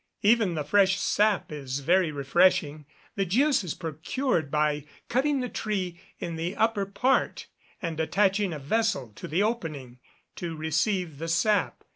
Even the fresh sap is very refreshing. The juice is procured by cutting the tree in the upper part, and attaching a vessel to the opening, to receive the sap.